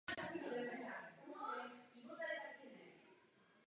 Julius Caesar sám konkrétní místa neuvádí.